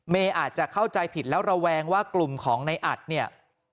อาจจะเข้าใจผิดแล้วระแวงว่ากลุ่มของในอัดเนี่ย